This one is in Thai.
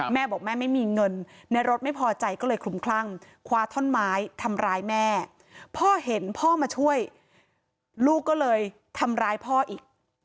แม่บอกแม่ไม่มีเงินในรถไม่พอใจก็เลยคลุมคลั่งคว้าท่อนไม้ทำร้ายแม่พ่อเห็นพ่อมาช่วยลูกก็เลยทำร้ายพ่ออีก